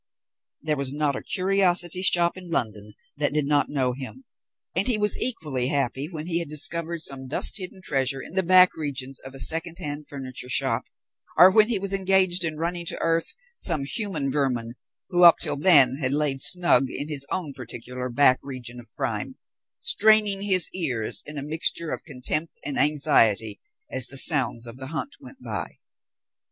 There was not a curiosity shop in London that did not know him, and he was equally happy when he had discovered some dust hidden treasure in the back regions of a secondhand furniture shop, or when he was engaged in running to earth some human vermin who up till then had lain snug in his own particular back region of crime, straining his ears, in a mixture of contempt and anxiety, as the sounds of the hunt went by.